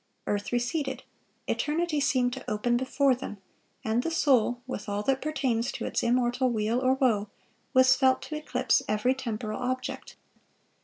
Earth receded, eternity seemed to open before them, and the soul, with all that pertains to its immortal weal or woe, was felt to eclipse every temporal object.